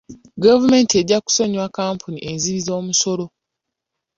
Gavumenti ejja kusonyiwa kkampuni enzimbi omusolo.